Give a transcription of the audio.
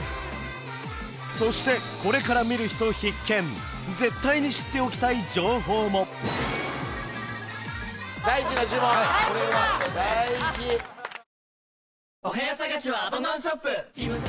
そしてこれから見る人必見絶対に知っておきたい情報も大事な呪文大事だ！